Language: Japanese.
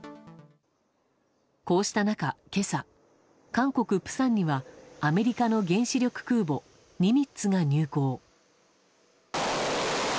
こうした中、今朝韓国・釜山にはアメリカの原子力空母「ニミッツ」が入港。